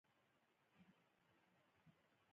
خوږوالی د مزاج لپاره هم مهم دی.